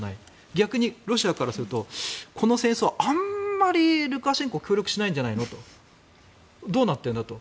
逆にロシアからするとこの戦争はあまりルカシェンコは協力しないんじゃないのとどうなってんだと。